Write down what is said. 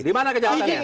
di mana kejahatannya